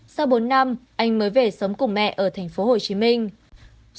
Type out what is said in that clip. sau bốn năm anh mới về sống cùng mẹ ở thành phố hồ chí minh